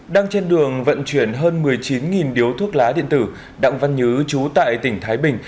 đang trên đường vận chuyển hơn một mươi chín điếu thuốc lá điện tử đặng văn nhứ chú tại tỉnh thái bình